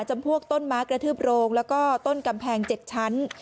พวกต้นม้ากระทืบโรงแล้วก็ต้นกำแพง๗ชั้น